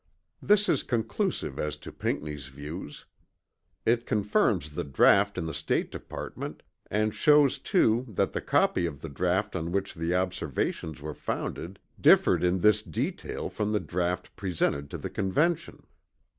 This is conclusive as to Pinckney's views. It confirms the draught in the State Department and shows too that the copy of the draught on which the Observations were founded differed in this detail from the draught presented to the Convention.